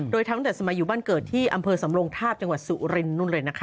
โดยทั้งตั้งแต่สมัยอยู่บ้านเกิดที่อำเภอสำรงทาบจังหวัดสุรินทร์